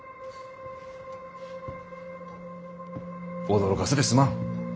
驚かせてすまん。